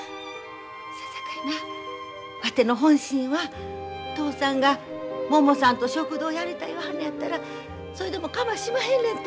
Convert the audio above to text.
そやさかいなわての本心は嬢さんがももさんと食堂やりたい言わはんのやったらそいでも構しまへんねんて。